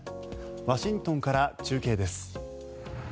ワシントンから中継です。